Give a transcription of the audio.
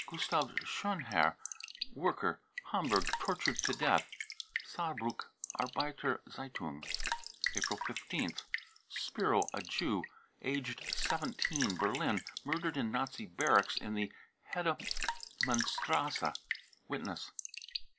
gustav schonherr, worker, Hamburg, tortured to death. (Saarbruck Arbeiter Z^itung.) April 15th. Spiro, a Jew, aged 17, Berlin, murdered in Nazi barracks in the Hedemannstrasse. (Witness.)